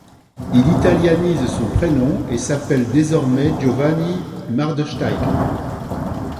Il italianise son prénom et s'appelle désormais Giovanni Mardersteig.